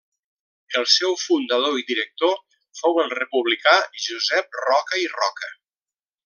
El seu fundador i director fou el republicà Josep Roca i Roca.